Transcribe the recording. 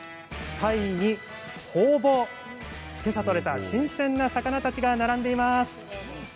鯛にホウボウ今朝、取れた新鮮な魚が並んでいます。